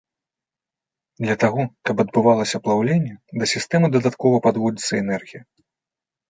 Для таго, каб адбывалася плаўленне, да сістэмы дадаткова падводзіцца энергія.